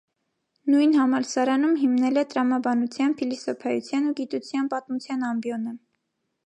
Նույն համալսարանում հիմնել է տրամաբանության, փիլիսոփայության ու գիտության պատմության ամբիոնը։